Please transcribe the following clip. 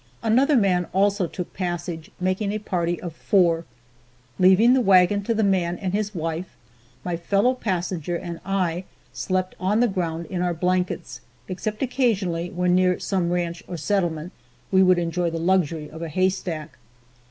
Another man also took passage making a party of four. Leaving the wagon to the man and his wife, my fellow passenger and I slept on the ground in our blankets, except occasionally, when near some ranch or settlement, we could enjoy the luxury of a haystack.